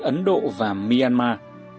ấn độ và myanmar